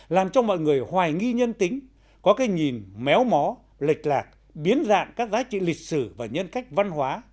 làm cho mọi người hoài nghi nhân tính có cái nhìn méo mó lệch lạc biến dạng các giá trị lịch sử và nhân cách văn hóa